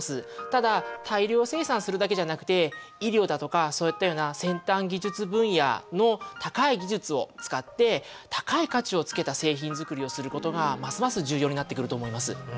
ただ大量生産するだけじゃなくて医療だとかそういったような先端技術分野の高い技術を使って高い価値をつけた製品作りをすることがますます重要になってくると思います。